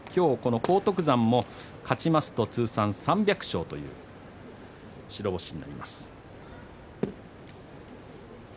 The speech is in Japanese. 荒篤山も勝ちますと通算３００勝という白星になります。